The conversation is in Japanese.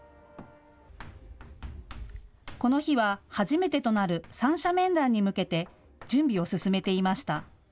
この日は初めてとなる三者面談に向けて準備を進めていました。